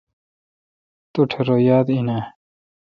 توٹھ رو یاد این اؘ۔